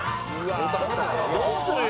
どうするよ？